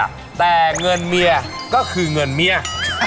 เงินเมียแต่เงินเมียก็คือเงินเมีย